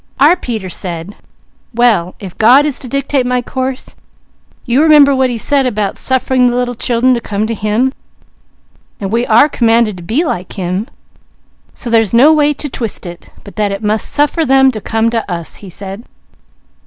Our Peter said: 'Well if God is to dictate my course, you remember what He said about "suffering the little children to come to Him," and we are commanded to be like Him, so there's no way to twist it, but that it means suffer them to come to us,' he said.